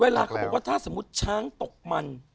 เขาบอกว่าถ้าสมมุติช้างตกมัน